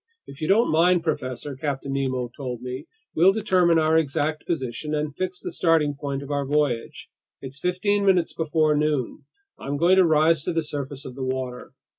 "If you don't mind, professor," Captain Nemo told me, "we'll determine our exact position and fix the starting point of our voyage. It's fifteen minutes before noon. I'm going to rise to the surface of the water."